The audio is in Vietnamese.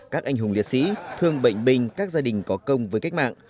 các anh hùng liệt sĩ thương bệnh binh các gia đình có công với cách mạng